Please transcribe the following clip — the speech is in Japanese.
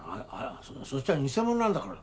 そっちは偽者なんだから。